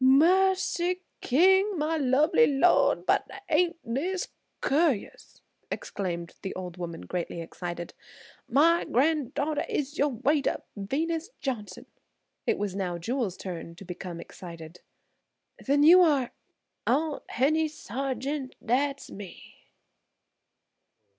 "Mercy, King! My lovely Lor'd, but ain't dis curus?" exclaimed the old woman, greatly excited. "My gran'darter is yo' waiter, Venus Johnson!" It was not Jewel's turn to become excited. "Then you are–?" "Aunt Hennie Sargent; dat's me."